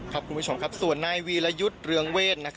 คุณผู้ชมครับส่วนนายวีรยุทธ์เรืองเวท